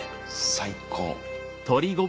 最高。